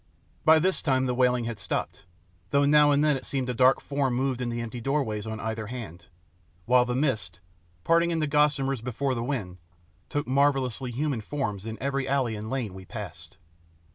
By this time the wailing had stopped, though now and then it seemed a dark form moved in the empty doorways on either hand, while the mist, parting into gossamers before the wind, took marvellously human forms in every alley and lane we passed.